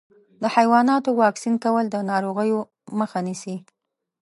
د حيواناتو واکسین کول د ناروغیو مخه نیسي.